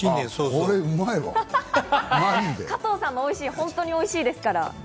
加藤さんの「おいしい」は本当においしいですからね。